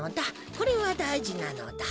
これはだいじなのだ。